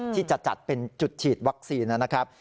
ที่จะจัดเป็นจุดฉีดวัคซีนนะครับ